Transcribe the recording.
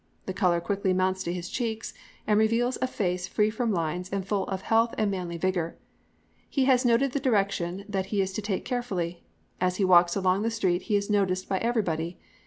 The colour quickly mounts to his cheeks and reveals a face free from lines and full of health and manly vigour. He has noted the direction that he is to take carefully. As he walks along the street he is noticed by everybody.